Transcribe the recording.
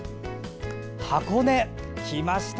箱根、来ました。